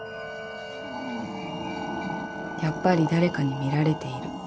［やっぱり誰かに見られている］